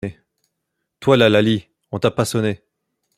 Toi, la Laly, on t’a pas sonné !